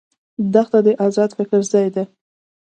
دښته د آزاد فکر ځای ده.